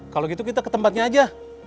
kalau gitu kita ke tempatnya aja